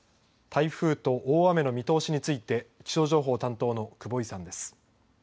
台風と大雨の見通しについて気象情報担当の久保井さんです。